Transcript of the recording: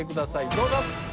どうぞ！